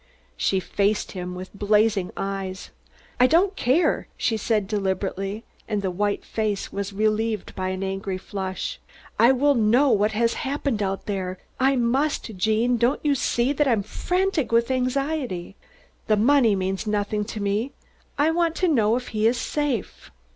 She faced him with blazing eyes. "I don't care," she said deliberately, and the white face was relieved by an angry flush. "I will know what has happened out there! I must! Gene, don't you see that I'm frantic with anxiety? The money means nothing to me. I want to know if he is safe."